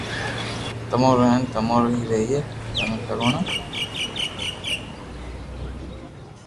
تمو رو ھي ھين تمو رو ھي رھئي تمو ڪروڻا